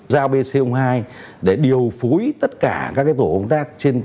giao pc hai để điều phúi tất cả các tổ công tác